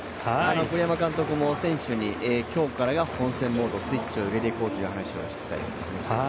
栗山監督も選手に今日からが本戦モードスイッチを入れていこうという話をしていました。